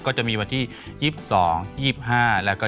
ก็จะมีวันที่๒๒๒๕แล้วก็